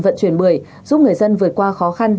vận chuyển bưởi giúp người dân vượt qua khó khăn